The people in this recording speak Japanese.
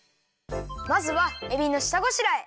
まずはえびのしたごしらえ！